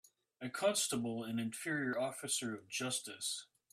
A constable an inferior officer of justice